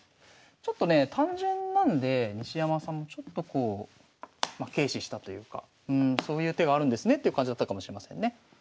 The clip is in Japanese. ちょっとねえ単純なんで西山さんもちょっとこうま軽視したというかそういう手があるんですねっていう感じだったかもしれませんね。